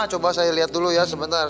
coba saya lihat dulu ya sebentar